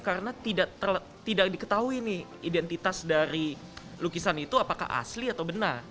karena tidak diketahui nih identitas dari lukisan itu apakah asli atau benar